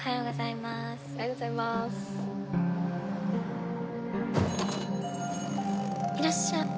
いらっしゃあっ。